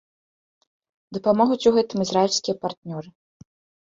Дапамогуць у гэтым ізраільскія партнёры.